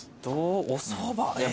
おそばえ？